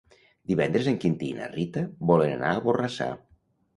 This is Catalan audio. Divendres en Quintí i na Rita volen anar a Borrassà.